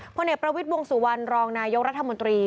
เพราะในประวิทย์วงศุวรรณรองนายองรัฐมนตรี